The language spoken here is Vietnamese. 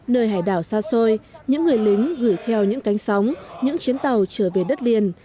nơi hải đảo xa xôi những người lính gửi theo những cánh sóng những chuyến tàu trở về đất liền